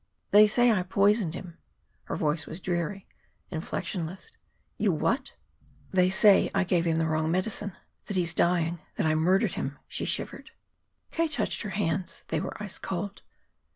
"They say I poisoned him." Her voice was dreary, inflectionless. "You what?" "They say I gave him the wrong medicine; that he's dying; that I murdered him." She shivered. K. touched her hands. They were ice cold.